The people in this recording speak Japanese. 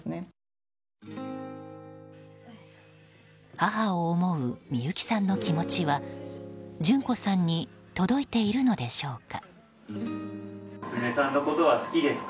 母を思う美由紀さんの気持ちは順子さんに届いているのでしょうか。